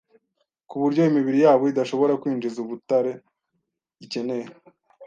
ku buryo imibiri yabo idashobora kwinjiza ubutare ikeneye